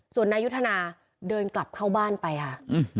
ส่วนนายุทธนาเดินกลับเข้าบ้านไปค่ะ